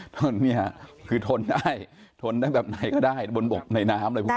ตอนนี้คือทนได้ทนได้แบบไหนก็ได้บนบกในน้ำอะไรพวกนี้